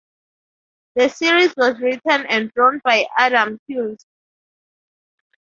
The series was written and drawn by Adam Hughes.